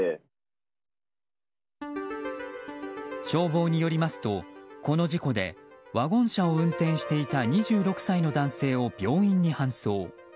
消防によりますと、この事故でワゴン車を運転していた２６歳の男性を病院に搬送。